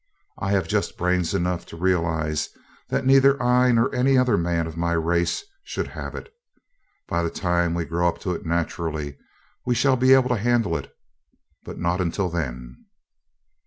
I have just brains enough to realize that neither I nor any other man of my race should have it. By the time we grow up to it naturally we shall be able to handle it, but not until then."